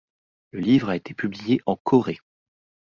Le livre a été publié en Corée.